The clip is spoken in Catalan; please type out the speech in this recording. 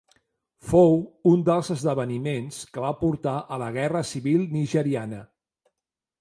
Fou un dels esdeveniments que van portar a la Guerra Civil nigeriana.